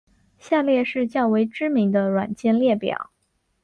下列是较为知名的软件列表。